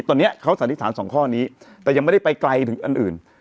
ตอนนี้เขาสันนิษฐานสองข้อนี้แต่ยังไม่ได้ไปไกลถึงอันอื่น